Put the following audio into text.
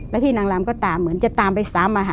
แล้วพี่นางลำก็ตามเหมือนจะตามไปซ้ำ